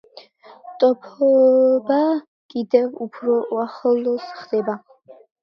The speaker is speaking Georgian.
ტოფობა კიდევ უფრო ახლოს ხდება.